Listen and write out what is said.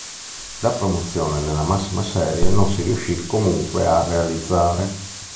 La promozione nella massima serie non si riuscì comunque a realizzare.